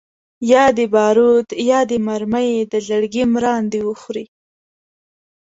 یا دي باروت یا دي مرمۍ د زړګي مراندي وخوري